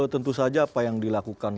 tentu saja apa yang dilakukan